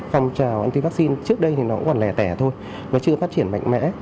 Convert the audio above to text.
phòng trào anti vaccine trước đây thì nó cũng còn lẻ tẻ thôi nó chưa phát triển mạnh mẽ